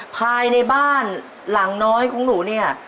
ภายในบ้านหลังน้อยของหนูเนี่ย